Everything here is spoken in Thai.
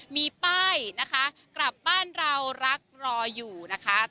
มีป้ายนะคะกลับบ้านเรารักรออยู่นะคะ